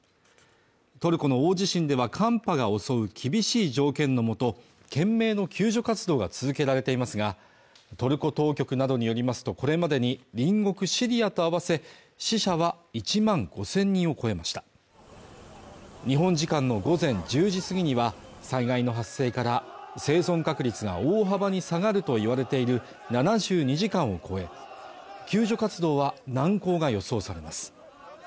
トルコの大地震では寒波が襲う厳しい条件のもと懸命の救助活動が続けられていますがトルコ当局などによりますとこれまでに隣国シリアと合わせ死者は１万５０００人を超えました日本時間の午前１０時過ぎには災害の発生から生存確率が大幅に下がるといわれている７２時間を超え救助活動は難航が予想されます